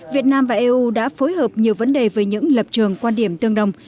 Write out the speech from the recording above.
việt nam và eu đã phối hợp nhiều vấn đề với những lập trường quan điểm tương đồng